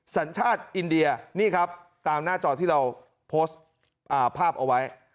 สัญชาติอินเดียนี่ครับตามหน้าจอที่เราโพสต์ภาพเอาไว้